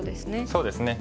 そうですね。